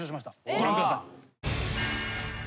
ご覧ください。